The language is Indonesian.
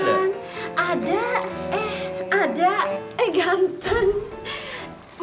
ada eh ada eh ganteng